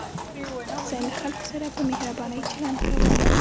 زه له خلکو سره په مهربانۍ چلند کوم.